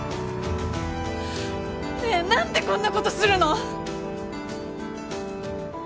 ねえ何でこんなことするの？